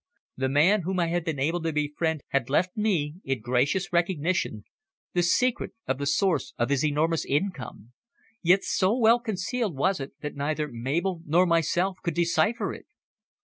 The man whom I had been able to befriend had left me, in gracious recognition, the secret of the source of his enormous income, yet so well concealed was it that neither Mabel nor myself could decipher it.